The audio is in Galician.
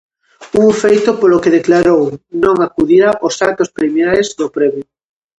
Un feito polo que declarou non acudirá ós actos preliminares do premio.